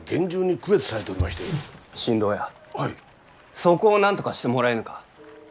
そこをなんとかしてもらえぬか？